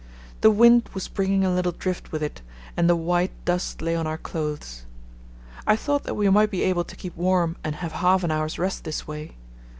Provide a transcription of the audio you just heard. The wind was bringing a little drift with it and the white dust lay on our clothes. I thought that we might be able to keep warm and have half an hour's rest this way.